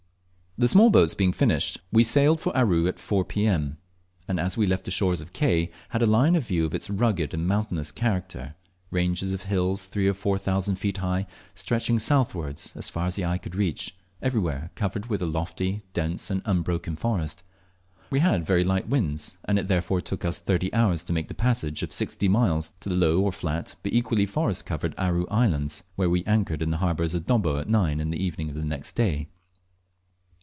The small boats being finished, we sailed for Aru at 4 P.M., and as we left the shores of Ke had a line view of its rugged and mountainous character; ranges of hills, three or four thousand feet high, stretching southwards as far as the eye could reach, everywhere covered with a lofty, dense, and unbroken forest. We had very light winds, and it therefore took us thirty hours to make the passage of sixty miles to the low, or flat, but equally forest covered Aru Islands, where we anchored in the harbour of Dobbo at nine in the evening of the next day.